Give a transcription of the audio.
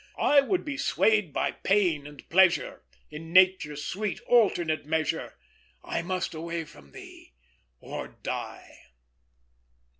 I would be swayed by pain and pleasure In Nature's sweet, alternate measure: I must away from thee, or die!"